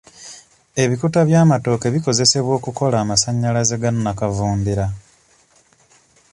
Ebikuta by'amatooke bikozesebwa okukola amasannyalaze ga nnakavundira.